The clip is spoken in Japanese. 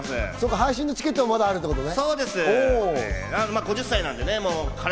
配信のチケットはまだあるということね。